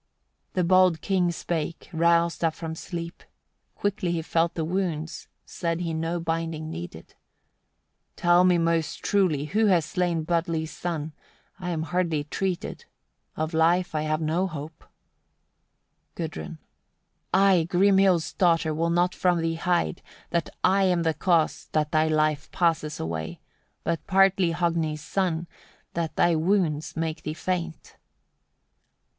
89. The bold king spake, roused up from sleep; quickly he felt the wounds, said he no binding needed. "Tell me most truly who has slain Budli's son. I am hardly treated: of life I have no hope." Gudrun. 90. I, Grimhild's daughter, will not from thee hide, that I am the cause that thy life passes away; but partly Hogni's son, that thy wounds make thee faint.